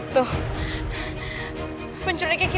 pasa apa delapan pukul satu